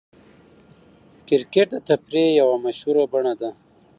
کرکټ د تفریح یوه مشهوره بڼه ده.